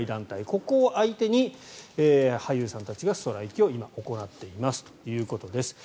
ここを相手に俳優さんたちがストライキを今、行っていますということです。